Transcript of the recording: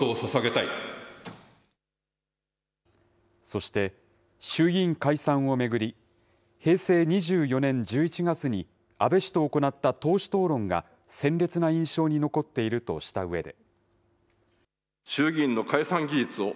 そして、衆議院解散を巡り、平成２４年１１月に安倍氏と行った党首討論が、鮮烈な印象に残っているとしたうえで。